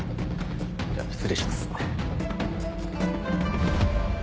じゃあ失礼します。